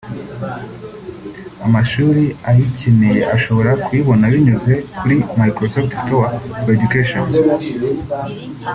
Amashuri ayikeneye ashobora kuyibona binyuze kuri Microsoft Store for Education